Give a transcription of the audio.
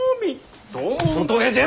外へ出ろ！